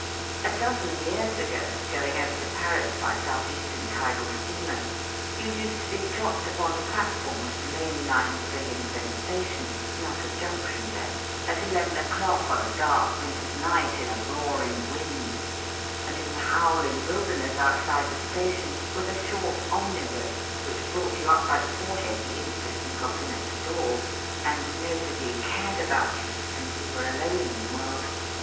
A dozen years ago, going over to Paris by South Eastern Tidal Steamer, you used to be dropped upon the platform of the main line Pavilionstone Station (not a junction then), at eleven o'clock on a dark winter's night, in a roaring wind; and in the howling wilderness outside the station, was a short omnibus which brought you up by the forehead the instant you got in at the door; and nobody cared about you, and you were alone in the world.